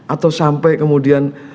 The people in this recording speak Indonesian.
atau sampai kemudian